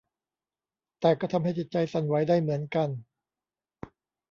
แต่ก็ทำให้จิตใจสั่นไหวได้เหมือนกัน